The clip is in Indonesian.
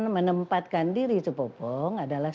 menempatkan diri cepopong adalah